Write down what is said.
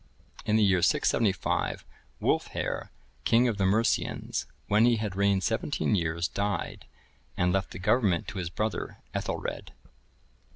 [Ibid.] In the year 675,(1036) Wulfhere, king of the Mercians, when he had reigned seventeen years, died and left the government to his brother Ethelred.